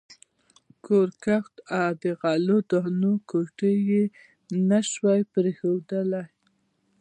کور، کښت او د غلو دانو کوټې یې نه شوای پرېښودلای.